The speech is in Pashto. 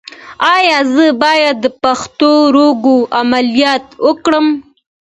ایا زه باید د پښتورګو عملیات وکړم؟